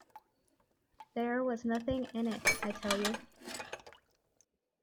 There was nothing in it, I tell you.